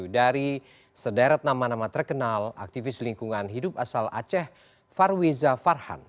dari sederet nama nama terkenal aktivis lingkungan hidup asal aceh farwiza farhan